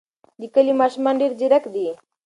د کلي ماشومان ډېر ځیرک دي.